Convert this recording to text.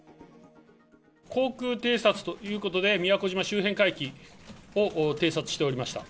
航空偵察ということで、宮古島周辺海域を偵察しておりました。